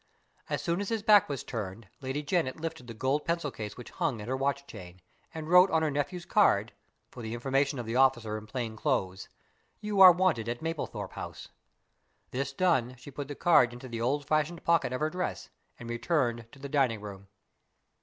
As soon as his back was turned Lady Janet lifted the gold pencil case which hung at her watch chain, and wrote on her nephew's card (for the information of the officer in plain clothes), "You are wanted at Mablethorpe House." This done, she put the card into the old fashioned pocket of her dress, and returned to the dining room.